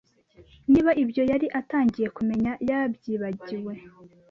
Niba ibyo yari atangiye kumenya yabyibagiwe.